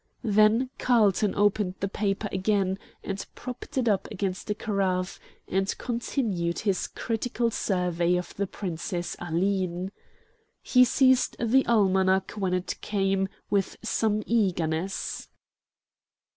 Then Carlton opened the paper again and propped it up against a carafe, and continued his critical survey of the Princess Aline. He seized the Almanach, when it came, with some eagerness.